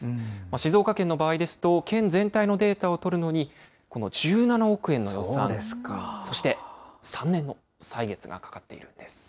静岡県の場合ですと、県全体のデータを取るのに、この１７億円の予算、そして３年の歳月がかかっているんです。